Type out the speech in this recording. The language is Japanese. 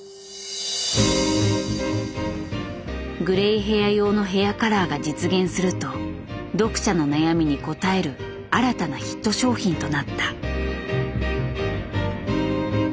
グレイヘア用のヘアカラーが実現すると読者の悩みに応える新たなヒット商品となった。